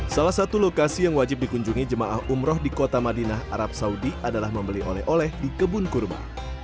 salah satu lokasi yang wajib dikunjungi jemaah umroh di kota madinah arab saudi adalah membeli oleh oleh di kebun kurma